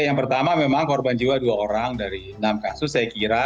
yang pertama memang korban jiwa dua orang dari enam kasus saya kira